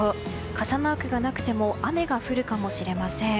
傘マークがなくても雨が降るかもしれません。